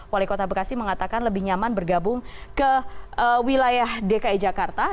wali kota bekasi mengatakan lebih nyaman bergabung ke wilayah dki jakarta